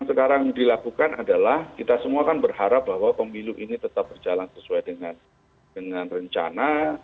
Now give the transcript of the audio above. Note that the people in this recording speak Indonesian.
yang sekarang dilakukan adalah kita semua kan berharap bahwa pemilu ini tetap berjalan sesuai dengan rencana